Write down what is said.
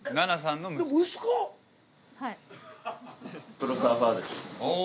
・プロサーファーです。